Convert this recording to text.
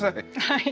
はい。